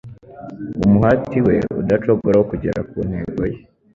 Umuhati we udacogora wo kugera ku ntego ye,